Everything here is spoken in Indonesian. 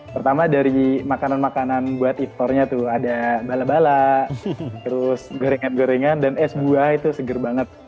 pertama dari makanan makanan buat istornya tuh ada bala bala terus gorengan gorengan dan es buah itu seger banget